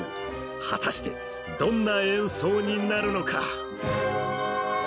果たしてどんな演奏になるのか？